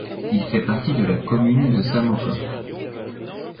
Il fait partie de la commune de Samokov.